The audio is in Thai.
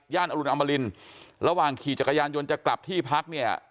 อรุณอมรินระหว่างขี่จักรยานยนต์จะกลับที่พักเนี่ย